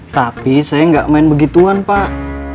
tapi saya nggak main begituan pak